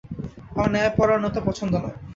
আমার ন্যায়পরায়নতা পছন্দ নয়।